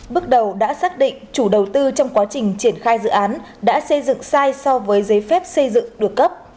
bước đầu đã xác định chủ đầu tư trong quá trình triển khai dự án đã xây dựng sai so với giấy phép xây dựng được cấp